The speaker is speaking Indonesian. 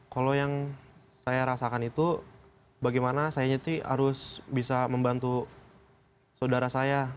kalau yang saya rasakan itu bagaimana saya sih harus bisa membantu saudara saya